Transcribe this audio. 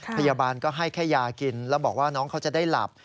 พยาบาลก็ให้แค่ยากินแล้วบอกว่าน้องเขาจะได้หลับ